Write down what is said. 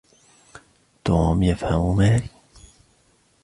توم يفهم ماري.